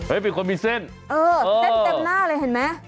เห้ยเป็นคนมีเส้นโอ้โหโอ้เส้นเต็มหน้าเลยเห็นไหม